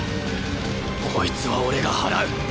こいつは俺が祓う。